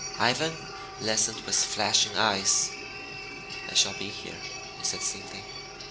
Ivan listened with flashing eyes. "I shall be here," he said simply.